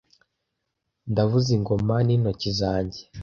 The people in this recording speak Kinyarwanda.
ndavuza ingoma n'intoki zanjye